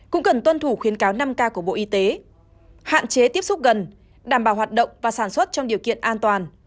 cũng cần tuân thủ khuyến cáo năm k của bộ y tế hạn chế tiếp xúc gần đảm bảo hoạt động và sản xuất trong điều kiện an toàn